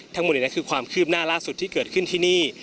ทั้งหมดนี้คือความคืบหน้าล่าสุดที่เกิดขึ้นที่นี่